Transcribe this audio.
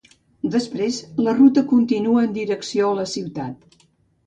Després, la ruta continua en direcció a la ciutat.